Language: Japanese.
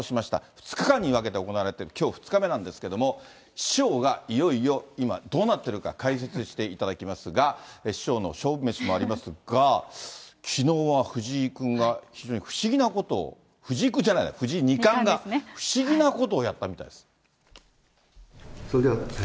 ２日間に分けて行われて、きょう２日目なんですけれども、師匠がいよいよ、今、どうなっているか、解説していただきますが、師匠の勝負メシもありますが、きのうは藤井君が非常に不思議なことを、藤井君じゃない、藤井二冠が、不思議なことをやったみたいです。